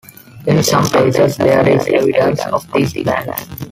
In some places there is evidence of these plans.